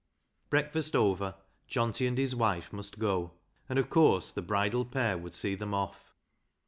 Breakfast over, Johnty and his wife must go, and, of course, the bridal pair would see them off.